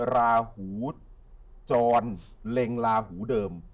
ราหูจรเล็งลาหูเดิม